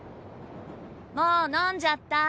もう飲んじゃった。